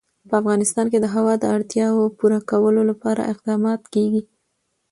په افغانستان کې د هوا د اړتیاوو پوره کولو لپاره اقدامات کېږي.